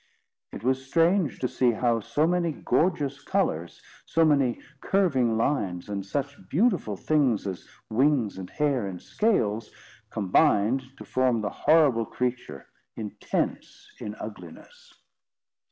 It was strange to see how so many gorgeous colours, so many curving lines, and such beautiful things as wings and hair and scales, combined to form the horrible creature, intense in ugliness.